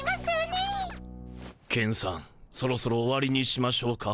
ケンさんそろそろ終わりにしましょうか？